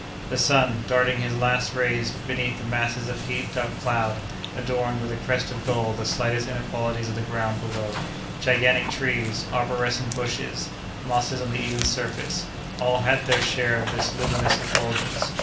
The sun, darting his last rays beneath the masses of heaped up cloud, adorned with a crest of gold the slightest inequalities of the ground below; gigantic trees, arborescent bushes, mosses on the even surface—all had their share of this luminous effulgence.